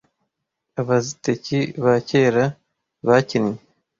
Abaziteki ba kera bakinnye